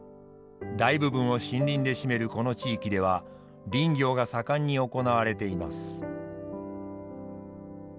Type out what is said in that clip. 大部分を森林で占めるこの地域では林業が盛んに行われています。